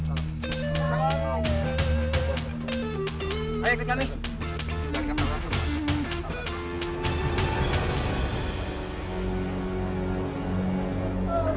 ayo kita kejar